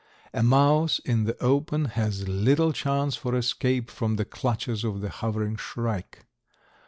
A mouse in the open has little chance for escape from the clutches of the hovering shrike.